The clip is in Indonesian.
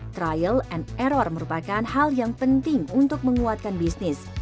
trial and error merupakan hal yang penting untuk menguatkan bisnis